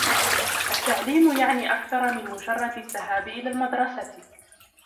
التعليم يعني أكثر من مجرّد الذهاب إلى المدرسة.